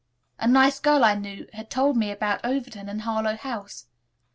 A nice girl I knew had told me about Overton and Harlowe House.